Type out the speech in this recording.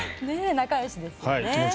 仲よしですよね。